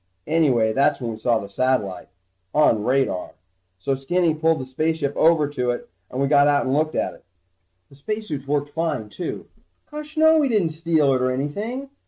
Anyway that's when we saw the satellite on radar. So Skinny pulled the spaceship over to it and we got out and looked at it. The spacesuits worked fine, too. Gosh no, we didn't steal it or anything.